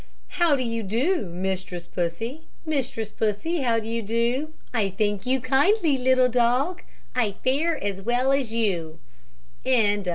How do you do, Mistress Pussy? Mistress Pussy, how d'ye do?" "I thank you kindly, little dog, I fare as well as you!"